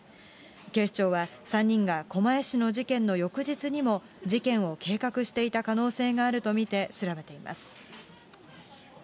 警視庁は、３人が狛江市の事件の翌日にも事件を計画していた可能性があると見て調べています。